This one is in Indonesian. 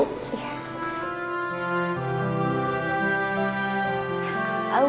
terima kasih ibu